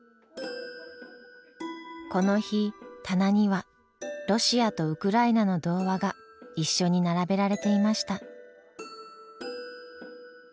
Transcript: この日棚にはロシアとウクライナの童話が一緒に並べられていました。